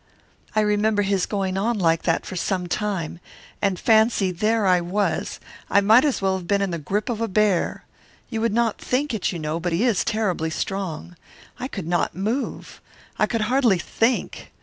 "I remember his going on like that for some time. And fancy, there I was! I might as well have been in the grip of a bear. You would not think it, you know, but he is terribly strong. I could not move. I could hardly think.